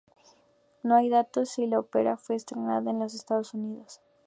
No hay datos si la ópera fue estrenada en los Estados Unidos.